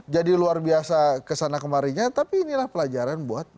jadi luar biasa kesana kemarinya tapi inilah pelajaran buat